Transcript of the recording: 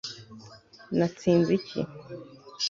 natsinze iki